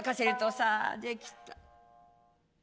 「さあできた。